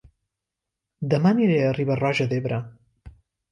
Dema aniré a Riba-roja d'Ebre